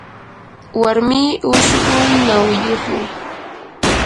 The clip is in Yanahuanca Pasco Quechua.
warmii ushqu nawiyuqmi.